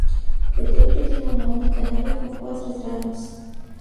El templo tiene una única nave con cuatro tramos.